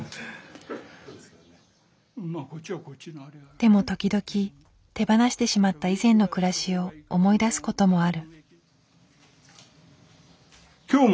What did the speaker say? でも時々手放してしまった以前の暮らしを思い出す事もある。